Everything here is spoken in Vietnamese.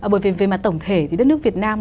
bởi vì về mặt tổng thể thì đất nước việt nam